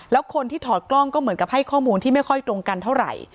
แล้วคนที่ถอดกล้องก็เหมือนกับให้ข้อมูลที่ไม่ค่อยตรงกันเท่าไหร่